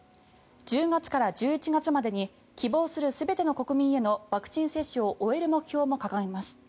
１０月から１１月までに希望する全ての国民へのワクチン接種を終える目標も掲げます。